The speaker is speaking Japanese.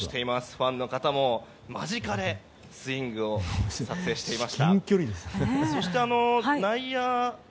ファンの方も間近でスイングを撮影しています。